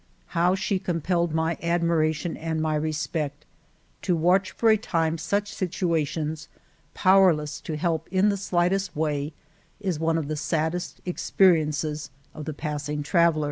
How she compelled my admiration and my respect ! To watch for a time such situations, powerless to help in the slightest way, is one of the saddest experiences of the passing traveller.